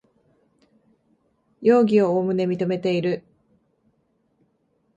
容疑をおおむね認めている